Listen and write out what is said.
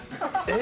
え！？